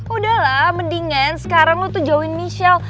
udahlah mendingan sekarang lu tuh jauhin michelle